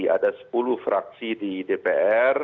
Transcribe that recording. ada sepuluh fraksi di dpr